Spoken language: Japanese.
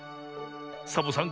サボさん